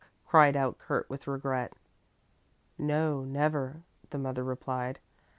cried out Kurt with regret. "No, never," the mother replied.